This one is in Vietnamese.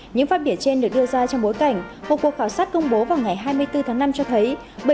những phát biểu trên được đưa ra trong bối cảnh một cuộc khảo sát công bố vào ngày hai mươi bốn tháng năm cho thấy